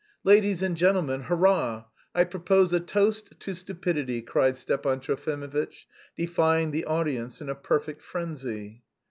"Ladies and gentlemen, hurrah! I propose a toast to stupidity!" cried Stepan Trofimovitch, defying the audience in a perfect frenzy.